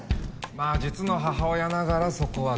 まあ実の母親ながらそこは同意する。